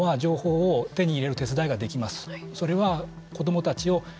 ですから日本は情報を手に入れる手伝いができます。